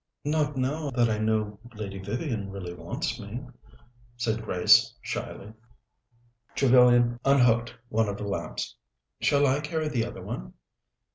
"Not now that I know Lady Vivian really wants me," said Grace shyly. Trevellyan unhooked one of the lamps. "Shall I carry the other one?"